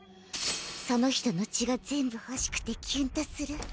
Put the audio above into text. その人の血が全部欲しくてキュンとする。